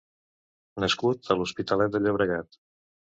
Nascut a l'Hospitalet de Llobregat.